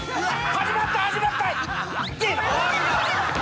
始まった始まった。